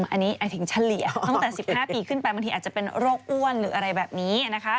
อันนี้หมายถึงเฉลี่ยตั้งแต่๑๕ปีขึ้นไปบางทีอาจจะเป็นโรคอ้วนหรืออะไรแบบนี้